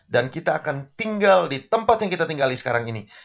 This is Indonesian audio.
dan kita akan tinggal di tempat yang kita tinggali sekarang ini